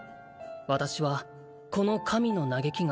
「私はこの神の嘆きが」